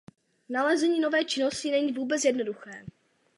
Nalezení nové činnosti není vůbec jednoduché.